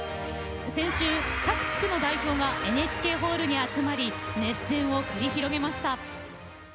先週、各地区の代表がＮＨＫホールに集まり熱戦を繰り広げました。